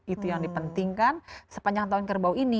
itu yang dipentingkan sepanjang tahun kerbau ini